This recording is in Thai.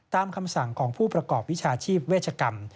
คำสั่งของผู้ประกอบวิชาชีพเวชกรรม